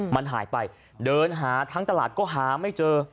มันหายไปเดินหาทั้งตลาดก็หาไม่เจอ